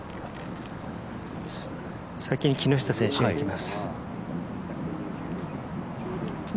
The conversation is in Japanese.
先に木下選手がいきます。